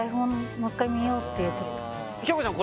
もう一回見ようっていう時恭子ちゃん